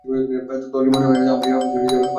তোর কি মনে হয় আমাদের পায়ে হেঁটে যাওয়া উচিত?